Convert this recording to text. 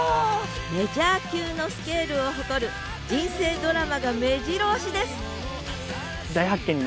メジャー級のスケールを誇る人生ドラマがめじろ押しです！